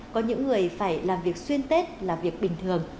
có những người phải làm việc xuyên tết là việc bình thường